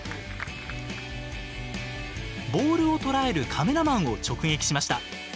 ボールを捉えるカメラマンを直撃しました。